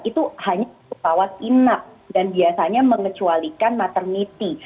itu hanya kawat inap dan biasanya mengecualikan maternity